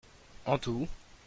En tout.